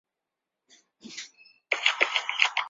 罗娑陀利再次遣使至兰纳与掸族地区寻求联盟。